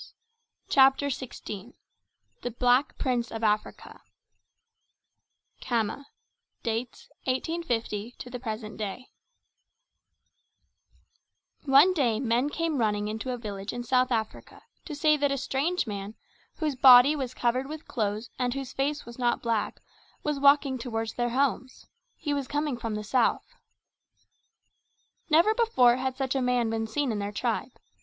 ] CHAPTER XVI THE BLACK PRINCE OF AFRICA Khama (Dates 1850 the present day) One day men came running into a village in South Africa to say that a strange man, whose body was covered with clothes and whose face was not black, was walking toward their homes. He was coming from the South. Never before had such a man been seen in their tribe.